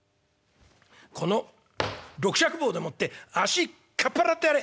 この六尺棒でもって足かっ払ってやれ」。